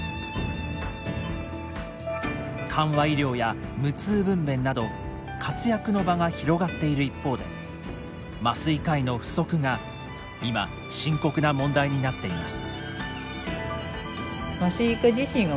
緩和医療や無痛分べんなど活躍の場が広がっている一方で麻酔科医の不足が今深刻な問題になっています。